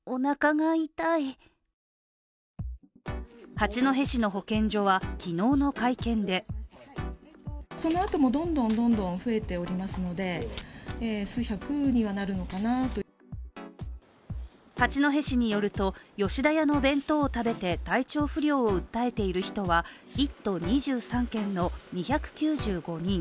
八戸市の保健所は、昨日の会見で八戸市によると、吉田屋の弁当を食べて体調不良を訴えている人は１都２３県の２９５人。